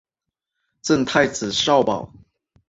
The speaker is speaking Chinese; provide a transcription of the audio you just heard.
赠太子少保。